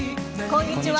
こんにちは。